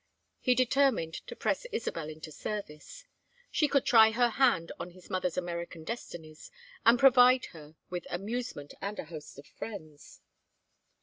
He determined to press Isabel into service. She could try her hand on his mother's American destinies, and provide her with amusement and a host of friends.